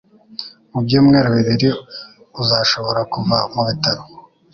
Mu byumweru bibiri uzashobora kuva mubitaro